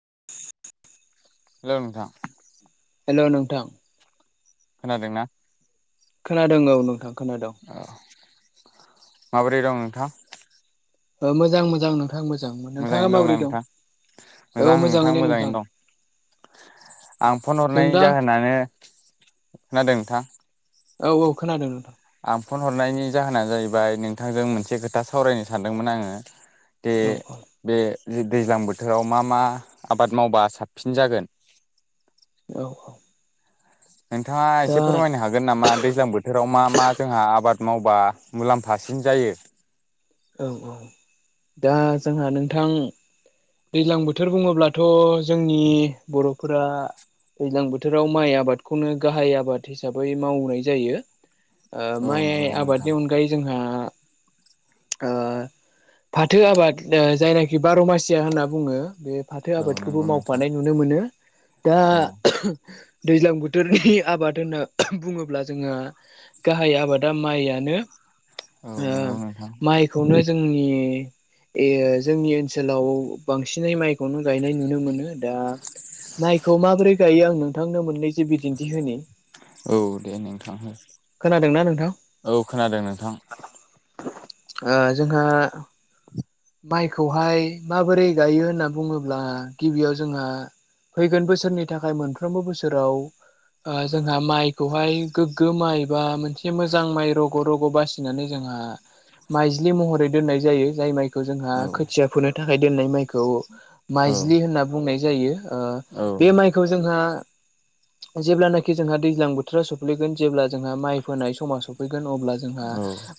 [inaudible] हेल' नोंथां हेल' नोंथां खोनादोंना खोनादों औ नोंथां खोनादों माबोरै दं नोंथां ओ मोजां मोजांनो नोंथां मोजांमोन नोंथाङा मोजाङैनो दंना माबोरै दं नोंथां औ मोजाङैनो नोंथां आं फन जों हरनाय दा जाहोनानो खोनादों नोंथां औ औ खोनादों नोंथां आं फन हरनायनि जाहोना जाहैबाय नोंथांजों मोनसे खोथा सावरायनो सानदोंमोन आङो बे औ औ बे दैज्लां बोथोराव मा मा आबाद मावबा साबसिन जागोन औ औ नोंथाङा दा एसे फोरमायनो हागोन नामा दैज्लां बोथोराव मा मा जोंहा आबाद मावबा मुलाम्फासिन जायो? औ औ दा जोंहा नोंथां दैज्लां बोथोर बुङोब्लाथ' जोंनि बर'फोरा दैज्लां बोथोराव माइ आबादखौनो गाहाय आबाद हिसाबै मावनाय जायो। ओ औ माइ नंगौ नोंथां आबादनि अनगायै जोंहा औ फाथो आबाद जायनाखि बार' मासिया होनना बुङो। बे फाथो औ आबादखौबो नंगौ नोंथां मावफानाय नुनो मोनो। दा औ दैज्लां बोथोरनि आबाद होनना बुङोब्ला जोंहा गाहाय आबादा माइयानो औ ओ नंगौ नोंथां माइखौनो जोंनि ए जोंनि ओनसोलाव बांसिनै माइखौनो गायनाय नुनो मोनो दा माइखौ माबोरै गायो आं नोंथांनो मोननै जे बिदिन्थि होनि औ दे नोंथां खोनादोंना नोंथां औ खोनादों नोंथां ओ जोंहा माइखौहाय माबोरै गायो होनना बुङोब्ला गिबियाव जोंहा फैगोन बोसोरनि थाखाय मोनफ्रोमबो बोसोराव जोंहा माइखौहाय गोग्गो माइ बा मोनसे मोजां माइ रग' रग' बासिनानै जों आ माइज्लि महरै दोननाय जायो जाय माइ खो जोंहा औ खोथिया फोनो थाखाय दोननाय माइखौ औ औ माइज्लि होनना बुंनाय जायो। ओ बे माइखौ जोंहा जेब्लानाखि जोंहा दैज्लां बोथोराव सफ्लैगोन जेब्ला जोंहा माइ फोनाय समाव सफैगोन अब्ला जोंहा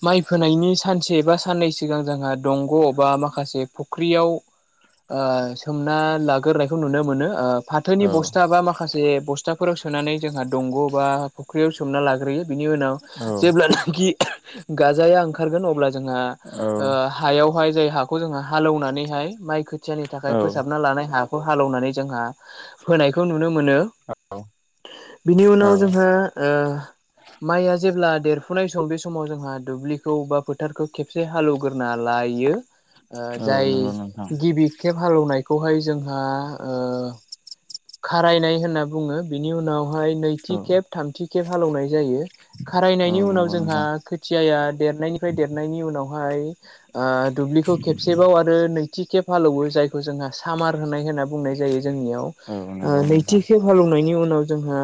माइ फोनायनि सानसे एबा साननै सिगां जोंहा दंग' बा माखासे फख्रियाव ओ सोमना लागोरनायखौ नुनो मोनो ओ फाथोनि बस्था बा माखासे बस्थाफोराव सोनानै जोंहा दंग' बा फख्रियाव सोमना लाग्रोयो। बिनि उनाव जेब्लानाखि गाजाया ओंखारगोन अब्ला जोंहा औ ओ हायावहाय जाय हाखौ जोंओ हालौनानैहाय माइ खोथियानि थाखाय औ फोसाबना लानाय हाखौ हालौनानै जोंहा फोनायखौ नुनो मोनो। बिनि औ उनाव जोंहा ओ माइया जेब्ला देरफुनाय सम बे समाव जोंहा दुब्लिखौ बा फोथारखौ खेबसे हालौग्रोना लायो। ओ औ जाय नंगौ नोंथां गिबि खेब हालौवनायखौहाय जोंहा ओ खारायनाय होनना बुङो बिनि उनावहाय औ नैथि खेब थामथि खेब हालौवनाय जायो औ खारायनायनि नंगौ उनाव जोंहा नोंथां। खोथियाया देरनायनिफ्राय देरनायनि उनाव हायो ओ दुब्लिखौ खेबसेबाव आरो नै टिखेब हालौवो जायखौ जोंहा सामार होनाय होनना बुंनाय जायो जोंनियाव ओ औ नंगौ नोंथां। नैथि खेब हालौनायनि उनाव जोंहा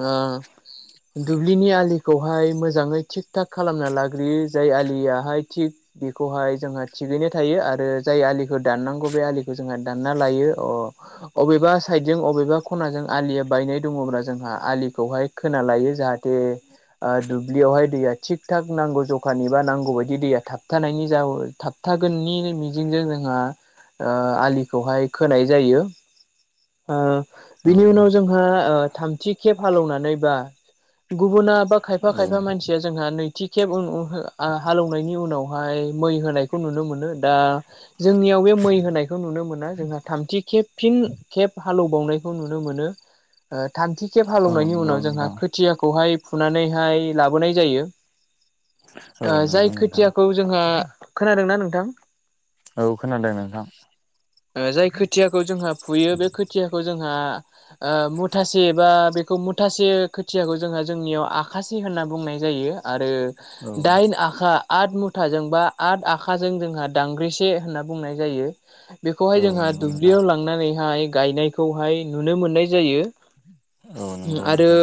ओ दुब्लिनि आलिखौहाय मोजाङै थिग थाग खालामना लाग्रोयो जाय आलियाहाय थिग बेखौहाय जोंहा थिगैनो थायो आरो जाय आलिखो दाननांगौ बे आलिखो जोंहा दानना लायो अ [unintelligible] अबेबा साइडजों अबेबा खनाजों आलिया बायनाय दङब्ला जोंहा आलिखौहाय खोना लायो जाहाथे [unintelligible] ओ दुब्लियावहाय दैया थिग थाग नांगौ जखानि बा नांगौ बायदि दैया थाबथानायनि जाव थाब थागोननि मिजिंजों जोंहा ओ आलिखौहाय खोनाय जायो। ओ औ बिनि उनाव जोंहा ओ थामथि खेब हालौनानै बा गुबुना बा खायफा खायफा मानसिया जोंहा नै थिखेब ऊं ऊं हो हालौनायनि उनावहाय मै होनायखौ नुनो मोनो दा जोंनि आव बे मै होनायखौ नुनो मोना जोंहा थामथि खेब फिन केब हालौबावनायखौ नुनो मोनो ओ थामथि केब औ हालौनायनि नंगौ उनाव जोंहा नोंथां। खोथियाखौहाय फुनानैहाय लाबोनाय जायो औ ओ जाय नंगौ नोंथां। खोथियाखौ जोंहा खोनादोंना नोंथां? औ खोनादों नोंथां। जाय खोथियाखौ जोंहा फुयो बे खोथियाखौ जों आरो मुथासे बा बेखौ मुथासे खोथियाखौ जोंहा जोंनियाव आखासे होन ना बुंनाय जायो आरो औ दाइन आखा आठ मुथाजों बा आठ आखाजों जोंहा दांग्रिसे होनना बुंनाय जायो। बेखौहाय औ जोंहा नंगौ नोंथां दुब्लियाव लांनानै माइ गायनायखौहाय नुनो मोननाय जायो औ नंगौ आरो नोंथां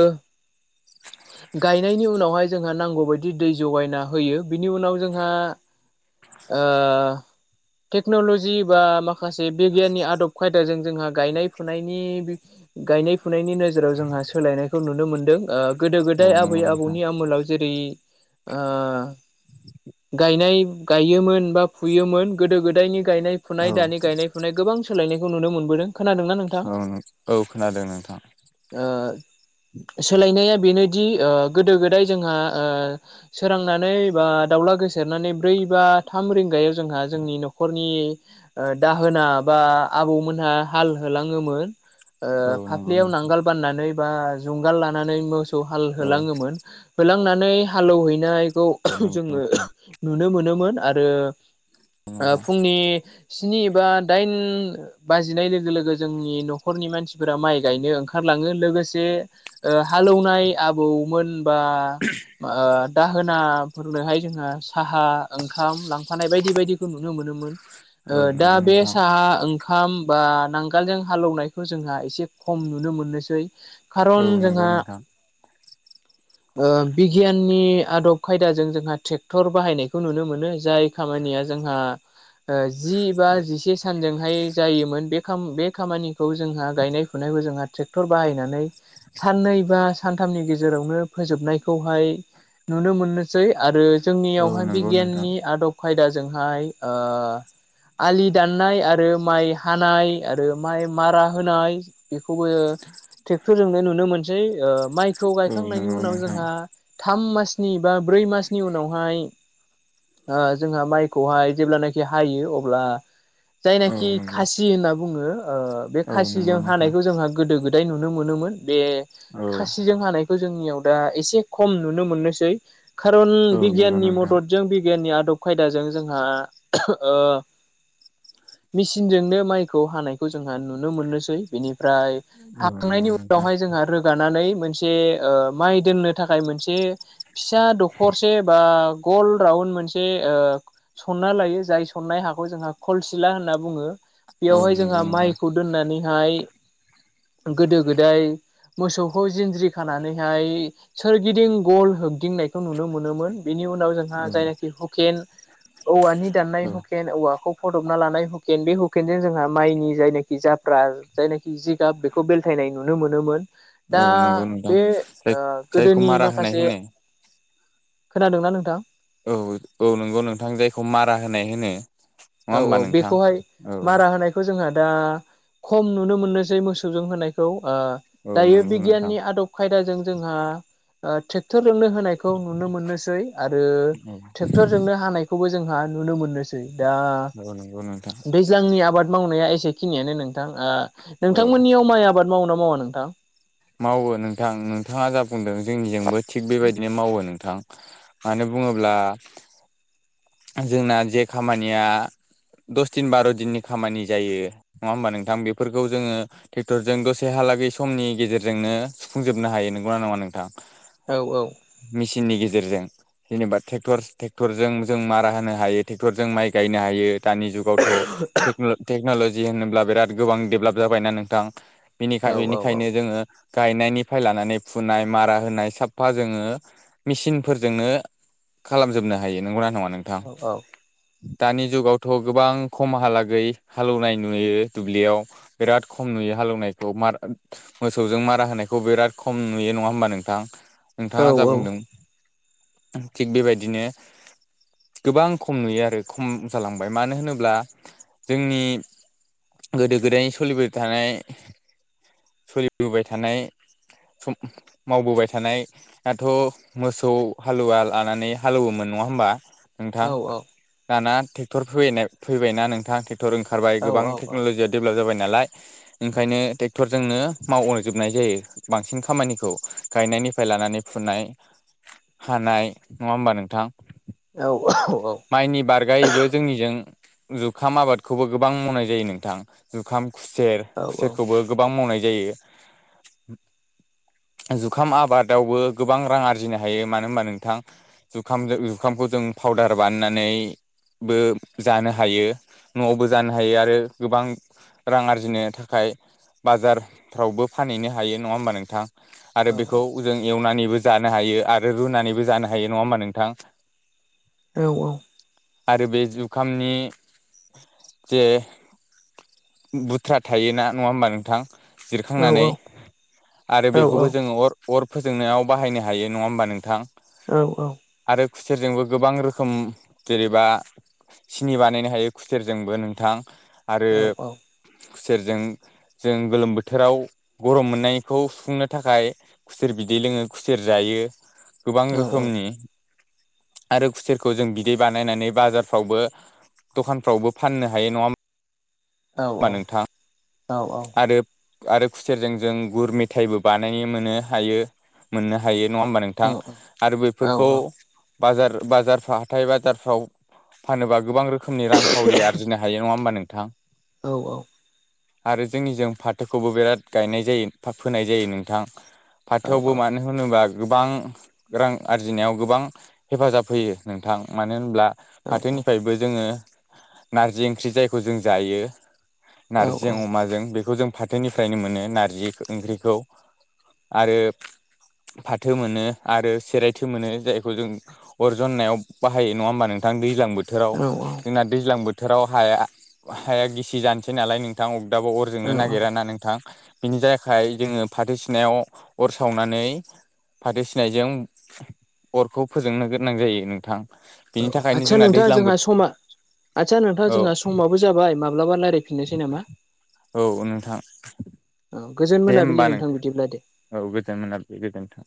[unintelligible] गायनायनि उनावहाय जोंहा नांगौबायायदि दै जगायना होयो बिनि उनाव जोंहा ओ टेक्न'ल'जि बा माखासे बिगियाननि आदब खाय दा जों जोंहा गायनाय फुनायनि गायनाय फुनायनि नोजोराव जोंहा सोलायनायखौ नुनो मोनदों। ओ गोदो औ गोदाय आबै नंगौ नोंथां आबौनि आमोलाव जेरै ओ गायनाय गायोमोन बा फुयोमोन गोदो गोदायनि गायनाय औ फुनाय दानि गायनाय फुनाय गोबां गोबां सोलायनायखौ नुनो मोनबोदों खोनादों ना नोंथां? औ औ खोनादों नोंथां। ओ [inaudible] सोलायनाया बेनोदि ओ गोदो गोदाय जोंहा ओ सोरांनानै बा दाउला गेसो सेरनानै ब्रै बा थाम रिंगायाव जोंहा जोंनि न'खरनि ओ दाहोना बा आबौमोनहा हाल होलाङोमोन ओ औ नंगौ फाफलियाव नोंथां नांगाल बाननानै बा जुंगाल लानानै मोसौ औ हालहोलांङोमोन होलांनानै हालौहैनाय खौ औ नंगौ जोङो नोंथां नुनो मोनोमोन आरो ओ नोंथां फुंनि स्नि बा दाइन बाजिनाय लोगो लोगो जोंनि न'खरनि मानसिफोरा माइ गायनो ओंखारलाङो लोगोसे हालेवनाय आबौमोन बा ओ दाहोनाफोरनोहाय जोहा साहा ओंखाम लांफानाय बायदि बायदिखौ नुनो मोनो औ दा नंगौ बे नोंथां साहा ओंखाम ओंखाम बा नांगोलजों हालौवनायखौ जोंहा एसे खम नुनो मोननोसै औ खारन नंगौ जोंहा [inaudible] ओ बिगियाननि आदब खायदाजों जोंहा ट्रेक्टर बाहायनायखौ नुनो मोनो जाय खामानिया जोंहा ओ जि एबा जिसे सानजोंहाय जायोमोन बेखाम बे खामानिखौ जोंहा गायनाय फुनायखौ जोंहा ट्रेक्टर बाहायनानै साननै बा सानथामनि गेजेरावनो फोजोबनायखौहाय नुनो मोननोसै आरो औ जोंनियावहाय नंगौ नोंथां बिगियाननि आदब खायदाजोंहाय ओ आलि दाननाय आरो माइ हानाय आरो माइ मारा होनाय बेखौबो ट्रेक्टरजोंनो नुनो मोन- ओ माइखौ औ गायखांनायनि नंगौ उनाव नोंथां जोंहा थाम मासनि बा ब्रै मासनि उनावहाय [inaudible] ओ जोंहा माइखौहाय जेब्लानाखि हायो अब्ला औ जायनाखि नंगौ खासि होनना बुङो ओ बे औ नंगौ खासिजों नोंथां हानायखौ जोंहा गोदो गोदाय नुनो मोनोमोन बे औ खासिजों हानायखौ जोंनियाव दा एसे खम नुनो मोननोसै खारन औ नंगौ बिगियाननि मथ नोंथां बिगियानि आदब खायदाजों जोंहा ओ मिस मिसिनजोंनो माइखौ हानायखौ जोंहा नुनो मोननोसै बेनिफ्राय औ नंगौ हाखांनायनि नोंथां उनावहाय जोंहा आरो थिक रोगानानै मोनसे ओ माइ दोननो थाखाय मोनसे फिसा दखरसे बा गल राउन मोनसे ओ सनना लायो जाय सननाय हाखौ जोंहा खलसिला होनना बुङो औ बेयावहाय जोंहा नंगौ नोंथां माइखौ दोननानैहाय गोदो गोदाय मोसौखौ जिन्ज्रि खानानैहाय सोरगिदिं गल होगदिंनायखौ नुनो मोनोमोन बेनि नि उनाव औ जोंहा जायनाखि हुकेन औवानि दाननाय औ हुकेन औवाखौ फदबना लानाय हुकेन बे हुक अकेनजों जोंहा माइनि जायनाखि जाफ्रा जायनाखि जिगाब बेखौ बेलथायनाय नुनो मोनोमोन औ दा नंगौ नोंथां बे जाय ओ जायखौ गोदोनि मारा होनाय माखासे होनो खोनादोंना नोंथां औ औ नंगौ नोंथां जायखौ मारा होनाय होनो नङा औ होमबा औ नोंथां बेखौहाय औ मारा होनायखौ जोंहा दा खम नुनो मोननोसै मोसौजों होनायखौ ओ औ दायो नंगौ नोंथां बिगियाननि आदब खायदाजों जोंहा ओ ट्रेक्टरजोंनो होनायखौ नुनो मोननोसै आरो औ ट्रेक्टरजोंनो हानायखौबो जोंहा नुनो मोननोसै दा औ नंगौ नोंथां दैज्लांनि आबाद मावनाया एसेखिनियानो नोंथां औ नोंथांमोननियाव माइ आबाद मावोना मावा नोंथां? मावो नोंथां नोंथाङा जा बुंदों जोंनिजोंबो थिग बेबायदिनो मावो नोंथां मानो बुङोब्ला जोंना जे खामानिया दस दिन बार' दिननि खामानि जायो नङा होमबा नोंथां बेफोरखौ जोङो ट्रेक्टरजों दसे ह हालागै समनि गेजेरजोंनो सुफुंजोबनो हायो नंगौना नङा नोंथां औ मेसिननि गेजेरजों जेनेबा ट्रेक्टर ट्रेक्टरजों जों मारा होनो हायो ट्रेक्टरजों माइ गायनो हायो दानि जुगाव थ टेकन टेकनलजि जि होनोब्ला बिराद गोबां डेभलप जाबायना नोंथां औ बेनिखाय औ बेनिखायनो जोङो गायनायनिफ्राय लानानै फुनाय मारा होनाय सापफा जोङो मेसिनफोरजोंनो खालामजोबनो हायो नंगौना नङा नोंथां? औ दानि जुगावथ' गोबां खमहालागै हालौवनाय नुयो दुब्लियाव बिराद खम नुयो हालौनायखौ मार मोसौजों मारा होनायखौ बिराद खम नुयो नङा होमबा नोंथां? औ नोंथाङा जा बुंदों थिग बेबायदिनो गोबां खम नुयो आरो खम जालांबाय मानो होनोब्ला जोंनि गोदो गोदायनि सोलिबोबाय थानाय सोलिबोबाय थानाय सम मावबोबाय थानायाथ' मोसौ हालुवा लानानै हालेवोमोन। नङा होमबा नोंथां औ औ दाना ट्रेक्टर फैनाय फैबाय ना नोंथां टेक टर ओंखारबाय औ गोबां औ टेक्नल'जिआ डेभेलप जाबाय नालाय ओंखायनो ट्रेक्टर जोंनो मावजोबनाय जायो बांसिन खामानिखौ गायनाय निफ्राय लानानै फुनाय, हानाय नङा होमबा नोंथां? औ औ माइनि बारगायैबो जोंनिजों जुखाम आबादखौबो गोबां मावनाय जायो नोंथां जुखाम खुसेर खुसेरखौबो गोबां मावनाय जायो। जुखाम आबादावबो गोबां रां आरजिनो हायो मानो होमबा नोंथां जुखामजों ओंखामखौ जों फावदार बानायनानै बो जानो हायो न'आवबो जानो हायो आरो गोबां रां आरजिनो थाखाय बाजारफ्रावबो फानहैनो हायो नङा होमबा नोंथां? आरो बेखौ जों एवनानैबो जानो हायो आरो रुनानैबो जानो हायो नङा होमबा नोंथां? औ औ। आरो बे जुखामनि जे बुथ्रा थायोना नङा होमबा नोंथां? जिरखांनानै आरो बेखौबो जोङो अर अर फोजोंनायाव बाहायनो हायो नङा होमबा नोंथां? औ औ। आरो खुसेरजोंबो गोबां रोखोम जेरैबा सिनि बानायनो हायो खुसेरजोंबो नोंथां। आरो औ औ। खुसेरजों जों गोलोम बोथोराव गरम मोननायखौ सुफुंनो थाखाय खुसेर बिदि बि लोङो खुसेर जायो गोबां औ रोखोमनि। आरो खुसेरखौ जों बिदै बानायनानै बाजारफ्रावबो दखानफ्रावबो फाननो हायो नङा होम औ औ औ औ। आरो आरो खुसेरजों जों गुर मेथाइबो बानायनो मोनो हायो मोननो हायो। नङा होमबा नोंथां आरो बफोरखौ बाजार बाजारफ्रा हाथाय बाजारफ्राव फानोबा गोबां रो खोमनि रांखावरि आरजिनो हायो नङा होमबा नोंथां? औ औ। आरो जोंनिजों फाथोखौबो बिराद गायनाय जायो फोनाय जायो नोंथां। फाथोआवबो मानो होनोबा गोबां रां आरजिनायाव गोबां हेफाजाब होयो नोंथां मानो होनब्ला फाथोनिफ्रायबो जोङो नारजि ओंख्रि जायखौ जों जायो। नार्जिजों अमाजों बेखौ जों फाथोनिफ्रायनो मोनो नार्जि ओंख्रिखौ। आरो फाथो मोनो आरो सेरायथो मोनो जायखौ जों अर जननायाव बाहायो नङा होमबा नोंथां दै ज्लां बोथोराव जोंना दैज्लां बोथोराव हाया हाया गिसि जानोसै नालाय नोंथां दाबो अरजोंनो नागिरा ना नोंथां? बिनि जायाखाय जोङो फाथो सिनायाव अर सावनानै फाथो सिनायजों अरखौ फोजोंनो गोनां जायो नोंथां। बिनि औ थाखायनो आदसा जोंना नोंथाङा दैज्लां जोंहा बोथोर समा आदसा नोंथाङा औ जोंहा समावबो जाबाय माब्लाबा रायलायफिननोसै औ नोंथां औ गोजोन दे मोनाबिलि होमबा नोंथां बिदिब्ला दे। औ गोजोन मोना मोनाबिलि गोजोन्थों